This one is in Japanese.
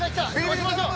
押しましょう。